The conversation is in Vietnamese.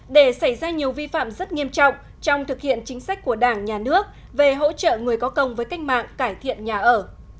để xảy ra nhiều vi phạm rất nghiêm trọng trong thực hiện chính sách của đảng nhà nước về hỗ trợ người có công với cách mạng cải thiện nhà ở